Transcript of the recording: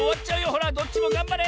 ほらどっちもがんばれ！